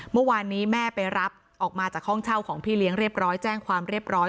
เมื่อวานนี้แม่ไปรับออกมาจากห้องเช่าของพี่เลี้ยงเรียบร้อยแจ้งความเรียบร้อย